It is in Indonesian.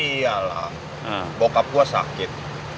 iya lah bokap gue sakit